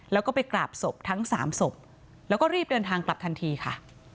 แล้วก็ไปกราบศพทั้งสามศพแล้วก็รีบเดินทางกลับทันทีค่ะ